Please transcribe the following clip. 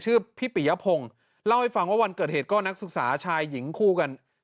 ชื่อพี่ปิยพงศ์เล่าให้ฟังว่าวันเกิดเหตุก็นักศึกษาชายหญิงคู่กัน